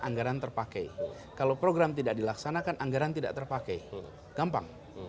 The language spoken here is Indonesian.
anggaran terpakai kalau program tidak dilaksanakan anggaran tidak terpakai gampang